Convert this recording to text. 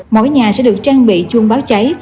mỗi nhà sẽ được trang bị chuông báo cháy